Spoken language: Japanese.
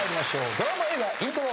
ドラマ・映画イントロ。